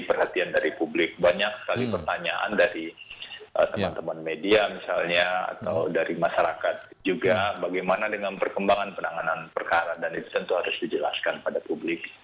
perhatian dari publik banyak sekali pertanyaan dari teman teman media misalnya atau dari masyarakat juga bagaimana dengan perkembangan penanganan perkara dan itu tentu harus dijelaskan pada publik